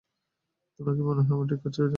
তোমার কি মনে হয়, আমরা ঠিক করছি এটা?